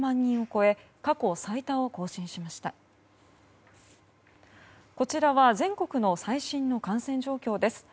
こちらは全国の最新の感染状況です。